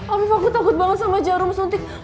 om aku takut banget sama jarum suntik